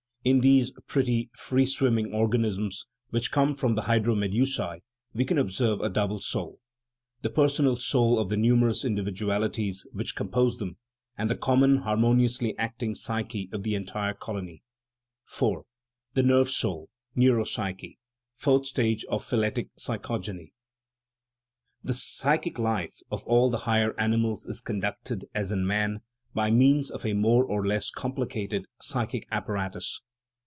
In these pretty, free swimming organisms, which come from the hydromedusae we can observe a double soul : the personal soul of the numerous individualities which compose them, and the common, harmoniously acting psyche of the entire colony. IV. The rferve soul (neuropsyche) : fourth stage of phyletic psychogeny. The psychic life of all the higher animals is conducted, as in man, by means of a more or less complicated "psychic apparatus."